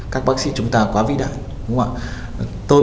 các bác sĩ chúng ta quá vĩ đại